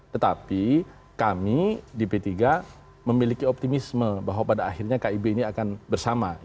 tetapi kami di p tiga memiliki optimisme bahwa pada akhirnya kib ini akan bersama